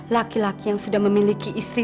laki laki yang sudah memiliki istri